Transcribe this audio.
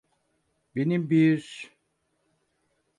Benim bir…